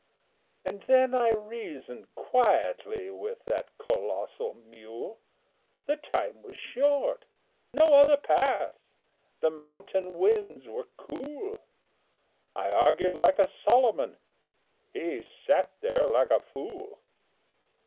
And then I reasoned quietly With that colossal mule; The time was short, no other path, The mountain winds were cool I argued like a Solomon, He sat there like a fool.